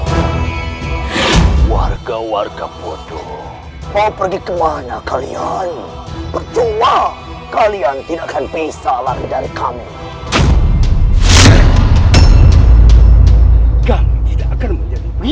hai warga warga bodoh mau pergi kemana kalian percoba kalian tidakkan pisah lari dari kamu